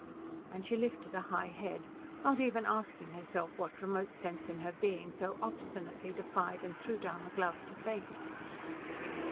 And she lifted a high head, not even asking herself what remote sense in her being so obstinately defied and threw down the glove to Fate.